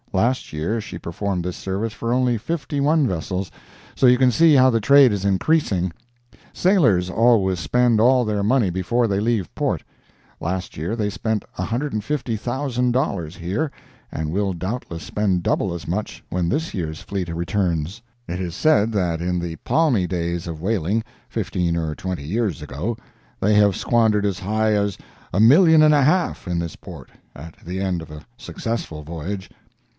Last year she performed this service for only fifty one vessels—so you can see how the trade is increasing. Sailors always spend all their money before they leave port. Last year they spent $150,000 here, and will doubtless spend double as much when this year's fleet returns. It is said that in the palmy days of whaling, fifteen or twenty years ago, they have squandered as high as a million and a half in this port at the end of a successful voyage.